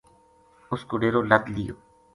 اس کو ڈیرو لَد لیو